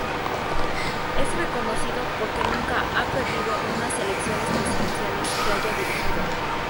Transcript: Es reconocido porque nunca "ha perdido" unas elecciones presidenciales que haya dirigido.